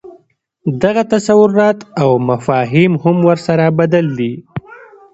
دغه تصورات او مفاهیم هم ورسره بدل دي.